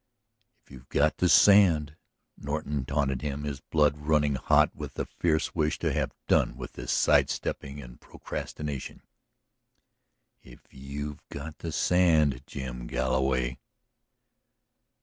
"If you've got the sand!" Norton taunted him, his blood running hot with the fierce wish to have done with sidestepping and procrastination. "If you've got the sand, Jim Galloway!"